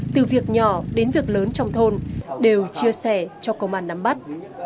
từ việc nhỏ đến việc lớn trong thôn đều chia sẻ cho công an nắm bắt